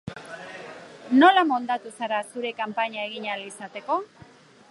Nola moldatu zara zure kanpaina egin ahal izateko?